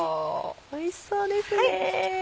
おいしそうですね。